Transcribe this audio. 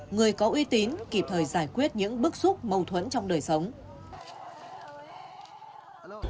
người có uy tín kịp thời giải quyết những bức xúc mâu thuẫn trong đời sống